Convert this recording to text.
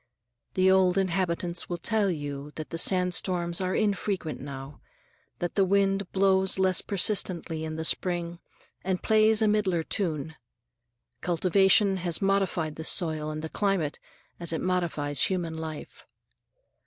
The old inhabitants will tell you that sandstorms are infrequent now, that the wind blows less persistently in the spring and plays a milder tune. Cultivation has modified the soil and the climate, as it modifies human life.